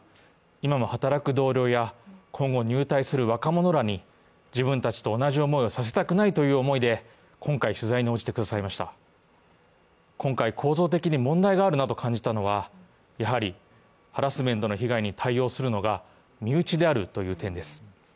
今も働く同僚や今後入隊する若者らに自分たちと同じ思いをさせたくないという思いで今回、取材に応じてくださいました今回、構造的に問題があるなと感じたのは、やはりハラスメントの被害に対応するのが身内であるという点です。